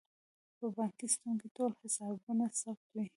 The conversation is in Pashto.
په بانکي سیستم کې ټول حسابونه ثبت وي.